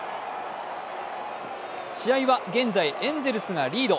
試合は現在エンゼルスがリード。